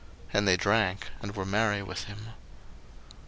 And they drank, and were merry with him.